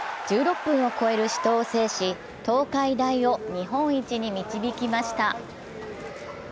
１６分を超える死闘を制し東海大を日本一に導きました。